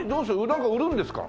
なんか売るんですか？